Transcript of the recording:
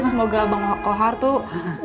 semoga bang kohar tuh